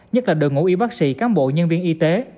nhất là đội ngũ y bác sĩ cán bộ nhân viên y tế